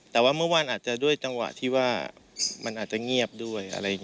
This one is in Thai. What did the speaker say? แต่ว่าเมื่อวานด้วยจังหวะที่ว่ามันอาจจะเงียบด้วย